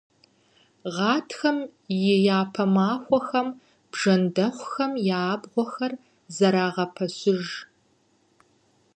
Гъатхэм и япэ махуэхэм бжэндэхъухэм я абгъуэхэр зэрагъэпэщыж.